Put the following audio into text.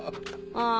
ああ。